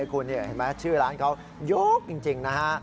คุณเห็นไหมชื่อร้านเขายกจริงนะฮะ